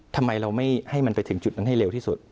ทำไมเราไม่ให้มันไปถึงจุดนั้นให้เร็วที่สุด